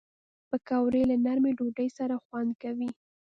پکورې له نرمې ډوډۍ سره خوند کوي